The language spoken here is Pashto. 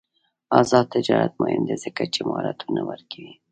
آزاد تجارت مهم دی ځکه چې مهارتونه ورکوي.